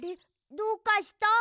どうかした？